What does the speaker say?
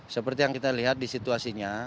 seperti yang kita lihat di situasinya